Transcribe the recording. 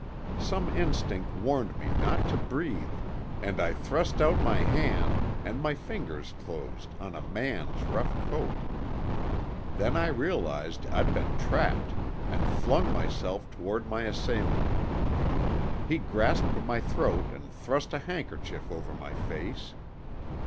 Some instinct warned me not to breathe and I thrust out my hand and my fingers closed on a man's rough coat. Then I realized I'd been trapped and flung myself toward my assailant. He grasped my throat and thrust a handkerchief over my face.